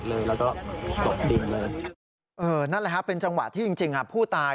นั่นแหละฮะเป็นจำวักที่จริงผู้ตาย